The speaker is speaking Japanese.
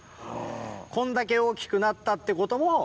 こんだけ大きくなったってことも。